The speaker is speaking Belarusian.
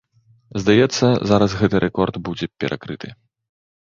Здаецца, зараз гэты рэкорд будзе перакрыты.